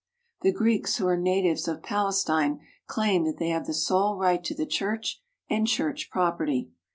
The Greeks who are natives of Palestine claim that they have the sole right to the church and church property.